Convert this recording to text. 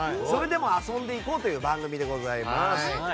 それで遊んでいこうという番組でございます。